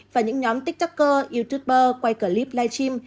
và những nhóm tiktaker youtuber quay clip live stream